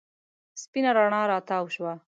سپېنه رڼا راتاو شوه.